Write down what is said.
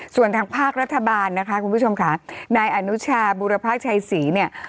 ส่วนทางภาครัฐบาลนะคะคุณผู้ชมค่ะนายอนุชาบุรพชัยศรีเนี่ย